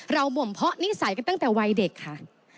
บ่มเพาะนิสัยกันตั้งแต่วัยเด็กค่ะ